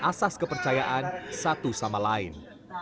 semua dilakukan atas kepercayaan satu sama lain